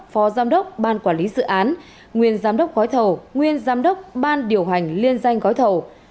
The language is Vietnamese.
phó giám đốc ban quản lý dự án nguyên giám đốc gói thầu nguyên giám đốc ban điều hành liên danh gói thầu